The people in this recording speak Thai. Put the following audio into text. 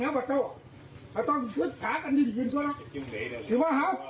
ต้องพอกับประธานภัยต้องพอกับประโยชน์นี้ที่กันจะรู้จักทุกอย่าง